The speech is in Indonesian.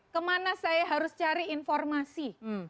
kemana saya harus cari informasi